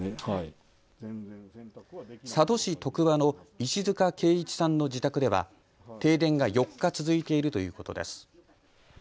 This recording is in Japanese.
佐渡市徳和の石塚慶一さんの自宅では停電が４日続いているということです。